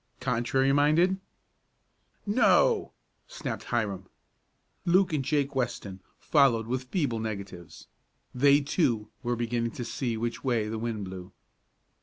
"Contrary minded " "No!" snapped Hiram. Luke and Jake Weston followed with feeble negatives. They, too, were beginning to see which way the wind blew.